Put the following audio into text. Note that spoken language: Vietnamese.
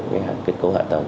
cái hạ tầng kết cấu hạ tầng